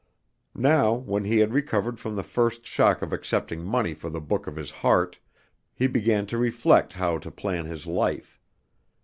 Now, when he had recovered from the first shock of accepting money for the book of his heart, he began to reflect how to plan his life.